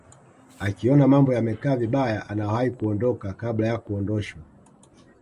akiona mambo yamekaa vibaya anawahi kuondoka kabla ya kuondoshwa